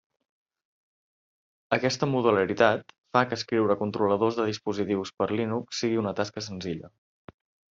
Aquesta modularitat fa que escriure controladors de dispositius per Linux sigui una tasca senzilla.